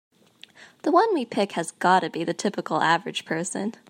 The one we pick has gotta be the typical average person.